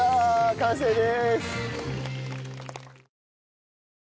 完成です！